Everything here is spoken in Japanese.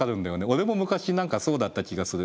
俺も昔何かそうだった気がする。